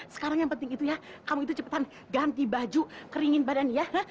sekarang yang penting itu ya kamu itu cepetan ganti baju keringin badan ya